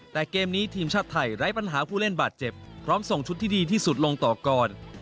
แต่เกมนี้ทีมชาติไทยไร้ปัญหาผู้เล่นบาดเจ็บพร้อมส่งชุดที่ดีที่สุดลงต่อก่อน